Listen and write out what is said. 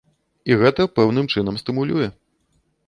І гэта пэўным чынам стымулюе.